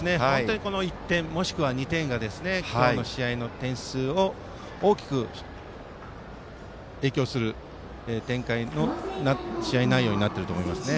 本当にこの１点もしくは２点が今日の試合に大きく影響する展開の試合内容になっていくと思います。